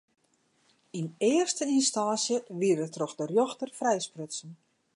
Yn earste ynstânsje wie er troch de rjochter frijsprutsen.